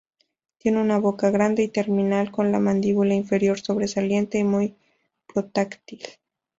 Tiene una boca grande y terminal, con la mandíbula inferior sobresaliente y muy protráctil.